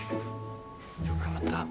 よく頑張った。